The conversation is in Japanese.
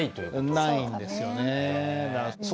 ないんですよね。